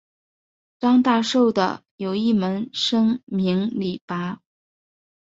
张大受的有一门生名李绂。